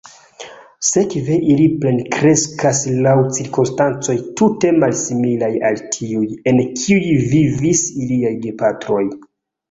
Sekve ili plenkreskas laŭ cirkonstancoj tute malsimilaj al tiuj, en kiuj vivis iliaj gepatroj.